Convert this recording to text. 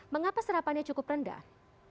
mengapa serapannya cukup rendah